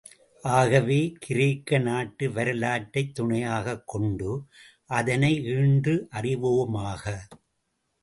ஆகவே, கிரேக்க நாட்டு வரலாற்றைத் துணையாகக் கொண்டு, அதனை ஈண்டு அறிவோமாக.